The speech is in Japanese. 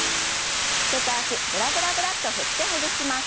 手と脚ブラブラブラッと振ってほぐします。